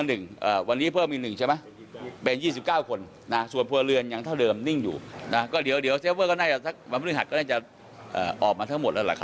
หลังจากข้อมูลปรากฏการเงินเติมด้วย